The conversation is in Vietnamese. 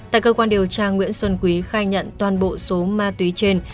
tại cơ quan điều tra nguyễn xuân quý khai nhận toàn bộ số ma túy trên